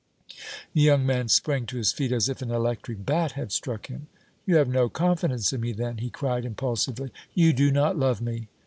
The young man sprang to his feet as if an electric bat had struck him. "You have no confidence in me, then!" he cried, impulsively. "You do not love me!"